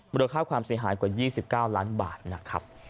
มูลค่าความเสียหายกว่า๒๙ล้านบาทนะครับ